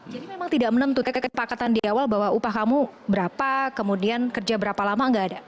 jadi memang tidak menentukan kekeketupakatan di awal bahwa upah kamu berapa kemudian kerja berapa lama nggak ada